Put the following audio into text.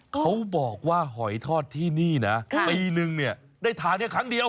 เขาบอกว่าหอยทอดที่นี่นะปีนึงเนี่ยได้ทานแค่ครั้งเดียว